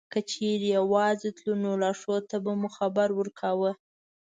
که چېرته یوازې تلو نو لارښود ته به مو خبر ورکاوه.